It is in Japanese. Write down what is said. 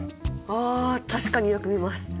あ確かによく見ます。